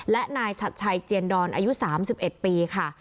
และนายชัดชัยเจียนดอนอายุ๓๑ปีค่ะ